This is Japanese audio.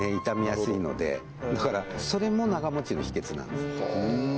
傷みやすいのでだからそれも長持ちの秘訣なんです